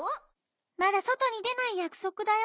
まだそとにでないやくそくだよ！